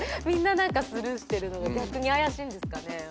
みんなスルーしてるのが逆に怪しいんですかね。